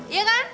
iya kan nih